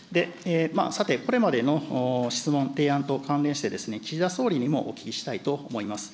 さて、これまでの質問、提案と関連して、岸田総理にもお聞きしたいと思います。